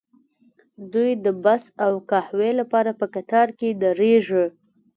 دوی د بس او قهوې لپاره په قطار کې دریږي